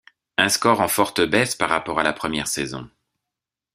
Un score en forte baisse par rapport a la première saison.